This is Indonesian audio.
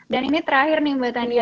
dan ini terakhir nih mbak tania